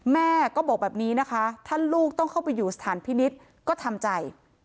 แม่ก็บอกแบบนี้นะคะถ้าลูกต้องเข้าไปอยู่สถานพินิษฐ์ก็ทำใจ